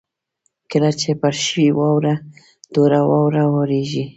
کله چې پر شوې واوره نوره واوره ورېږي